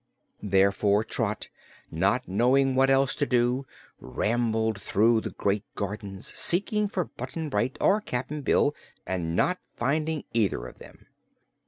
Therefore Trot, not knowing what else to do, rambled through the great gardens, seeking for Button Bright or Cap'n Bill and not finding either of them.